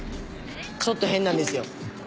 ちょっと変なんですよあいつ。